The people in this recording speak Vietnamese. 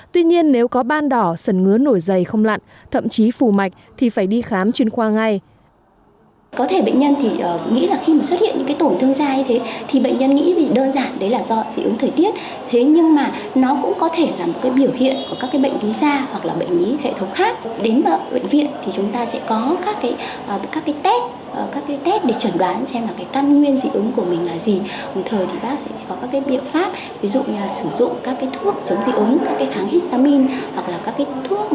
tuy nhiên nếu có ban đỏ sần ngứa nổi dày không lặn thậm chí phù mạch thì phải đi khám chuyên khoa ngay